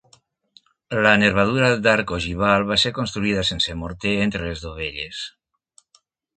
La nervadura d'arc ogival va ser construïda sense morter entre les dovelles.